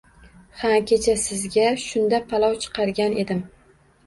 – Ha. Kecha sizga shunda palov chiqargan edim.